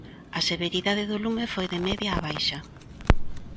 A severidade do lume foi de media a baixa.